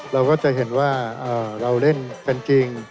เราก็จะเห็นว่าเราเล่นกันจริง